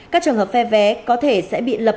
các trường hợp phe vé có thể sẽ bị lập